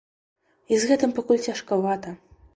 І з гэтым пакуль цяжкавата.